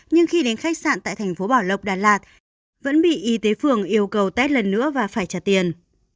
nhưng khi đến khách sạn tại thành phố bảo lộc đà lạt vẫn bị y tế phường yêu cầu test lần nữa và phải trả tiền